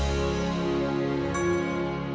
terima kasih sudah nonton